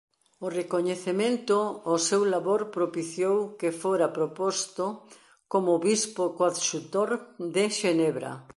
O recoñecemento ao seu labor propiciou que fora proposto como bispo coadxutor de Xenebra.